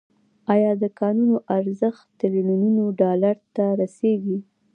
آیا د کانونو ارزښت تریلیونونو ډالرو ته رسیږي؟